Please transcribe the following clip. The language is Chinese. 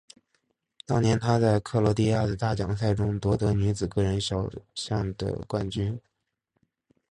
当年她在克罗地亚的大奖赛中夺得女子个人小项的冠军。